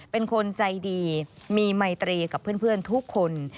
เป็นคนใจดีมีไมตรีกับเพื่อนทุกคน